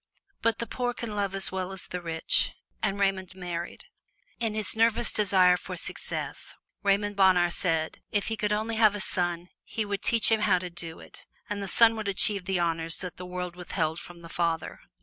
But the poor can love as well as the rich, and Raymond married. In his nervous desire for success, Raymond Bonheur said that if he could only have a son he would teach him how to do it, and the son would achieve the honors that the world withheld from the father.